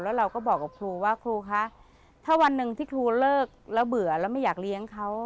แล้วเราก็บอกกับครูว่าครูคะถ้าวันหนึ่งที่ครูเลิกแล้วเบื่อแล้วไม่อยากเลี้ยงเขา